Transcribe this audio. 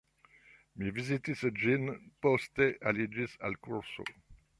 Mi vizitis ĝin, poste aliĝis al kurso.